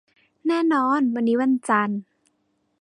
แน่นอน วันนี้วันจันทร์